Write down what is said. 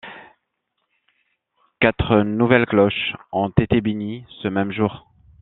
Quatre nouvelles cloches ont été bénies ce même jour.